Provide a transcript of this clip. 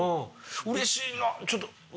うれしいなちょっと。